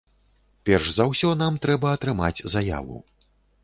Перш за ўсё нам трэба атрымаць заяву.